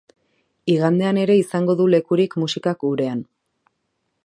Igandean ere izango du lekurik musikak gurean.